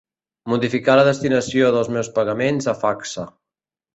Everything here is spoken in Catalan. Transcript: Modificar la destinació dels meus pagaments a Facsa.